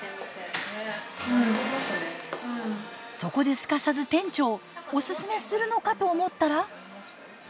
そこですかさず店長オススメするのかと思ったら。